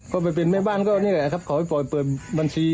ก็ไปเป็นแม่บ้านก็นี่แหละครับขอให้ปล่อยเปิดบัญชี